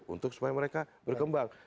untuk supaya mereka berkembang